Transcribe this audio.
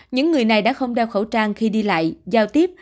những người này đã không đeo khẩu trang khi đi lại giao tiếp